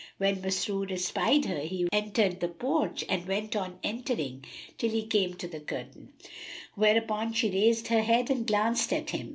When Masrur espied her, he entered the porch and went on entering till he came to the curtain: whereupon she raised her head and glanced at him.